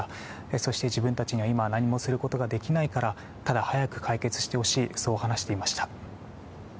そして自分たちは今、何もすることができないから早く解決してほしいと話していました。